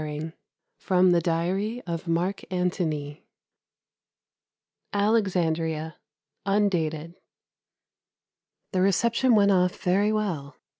XV FROM THE DIARY OF MARK ANTONY Alexandria (undated). The reception went off very well.